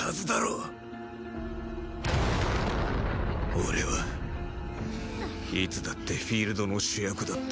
俺はいつだってフィールドの主役だった